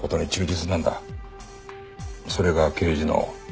それが刑事の。